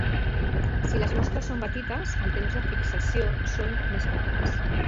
Si les mostres són petites, els temps de fixació són més petits.